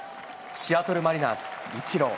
シアトルマリナーズ、イチロー。